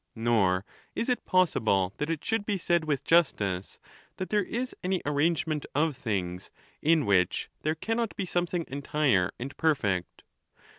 Nor is it possible that it should be said with justice that there is any arrangement of things in which there cannot be something entire and perfect.